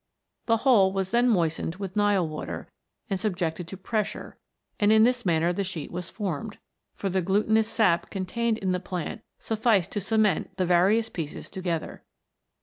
The whole was then moistened with Nile water, and subjected to pres sure ; and in this manner the sheet Avas formed, for the glutinous sap contained in the plant suf ficed to cement the various pieces together.